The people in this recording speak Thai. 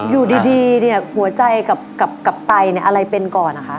อยู่ดีหัวใจกับไตอะไรเป็นก่อนคะ